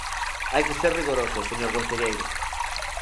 Hai que ser rigorosos, señor conselleiro.